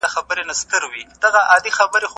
که قاضیان که وزیران وه رقصېدله